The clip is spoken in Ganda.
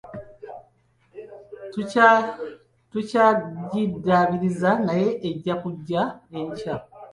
Tukyagidabiiriza naye ejja kujja enkya.